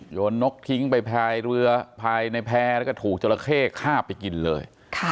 โยนนกทิ้งไปพายเรือภายในแพร่แล้วก็ถูกจราเข้ฆ่าไปกินเลย